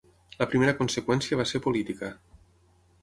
La primera conseqüència va ser política.